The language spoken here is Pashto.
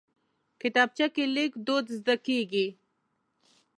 کتابچه کې لیک دود زده کېږي